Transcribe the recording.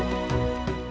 terima kasih kisanak